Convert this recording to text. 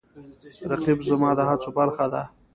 رقیب زما د هڅو برخه ده